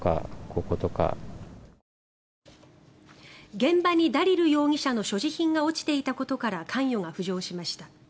現場にダリル容疑者の所持品が落ちていたことから関与が浮上しました。